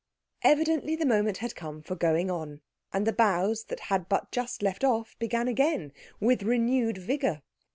Evidently the moment had come for going on, and the bows that had but just left off began again with renewed vigour.